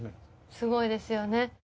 すごいですよね。